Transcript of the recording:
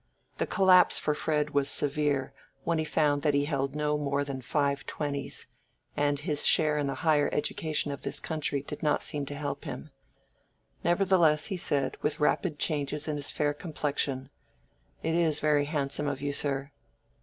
The collapse for Fred was severe when he found that he held no more than five twenties, and his share in the higher education of this country did not seem to help him. Nevertheless he said, with rapid changes in his fair complexion— "It is very handsome of you, sir."